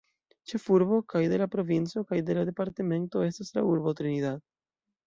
Ĉefurbo kaj de la provinco kaj de la departemento estas la urbo Trinidad.